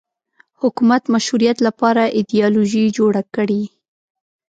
حکومت مشروعیت لپاره ایدیالوژي جوړه کړي